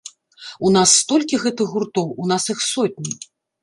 У нас столькі гэтых гуртоў, у нас іх сотні.